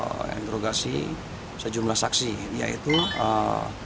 kita sudah melakukan engerogasi sejumlah senyum penyidik yang diperiksa penyidik yang diperiksa penyidik